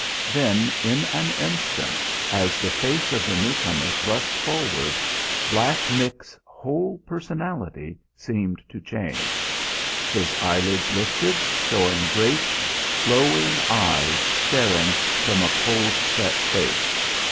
Then, in an instant, as the face of the newcomer thrust forward, Black Mick's whole personality seemed to change. His eyelids lifted, showing great, glowing eyes staring from a cold set face.